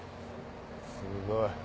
すごい。